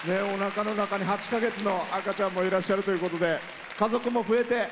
おなかの中に８か月の赤ちゃんもいらっしゃるということで家族も増えて。